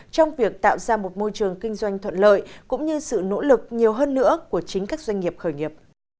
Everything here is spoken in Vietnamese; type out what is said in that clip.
trong việc tạo ra một môi trường kinh doanh thuận lợi cũng như sự nỗ lực nhiều hơn nữa của chính các doanh nghiệp khởi nghiệp